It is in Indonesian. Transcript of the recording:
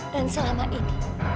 dan selama ini